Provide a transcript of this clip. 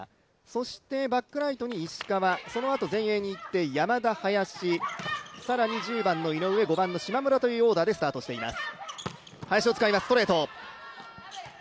そしてバックライトに石川、そのあと前衛に行って、山田、林更に１０番の井上、５番の島村というオーダーでスタートしています。